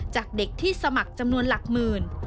จากเด็กที่สมัครจำนวนหลักหมื่น